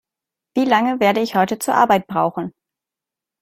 Wie lange werde ich heute zur Arbeit brauchen?